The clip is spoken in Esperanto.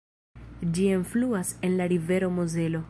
Ĝi enfluas en la rivero Mozelo.